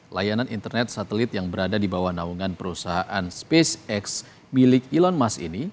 layanan internet satelit yang berada di bawah naungan perusahaan spacex milik elon musk ini